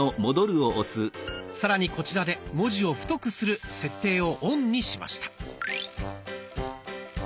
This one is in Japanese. さらにこちらで「文字を太くする」設定をオンにしました。